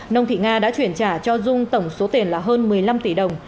nông thị nga đã chuyển trả cho dung tổng số tiền là hơn một mươi năm tỷ đồng